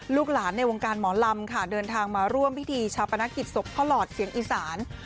ลูกหลานในวงการหมอลำค่ะเดินทางมาร่วมพิธีชาปนกิจศพพ่อหลอดเสียงอีสาน